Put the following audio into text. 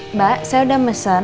mbak saya udah mesen